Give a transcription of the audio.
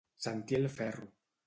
Sentir el ferro.